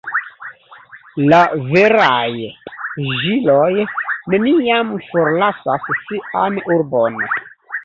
La veraj ĵiloj neniam forlasas sian urbon.